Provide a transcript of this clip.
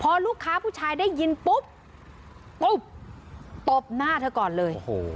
พอลูกค้าผู้ชายได้ยินปุ๊บตุ๊บตบหน้าเธอก่อนเลย